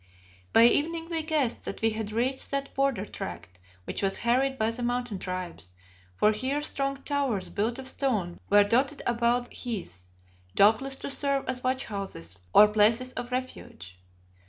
By evening we guessed that we had reached that border tract which was harried by the Mountain tribes, for here strong towers built of stone were dotted about the heaths, doubtless to serve as watch houses or places of refuge.